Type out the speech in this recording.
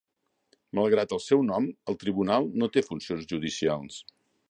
Malgrat el seu nom, el tribunal no té funcions judicials.